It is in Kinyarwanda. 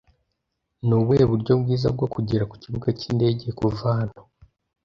Nubuhe buryo bwiza bwo kugera ku kibuga cy'indege kuva hano?